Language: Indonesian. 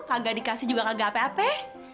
kagak dikasih juga kagak ape ape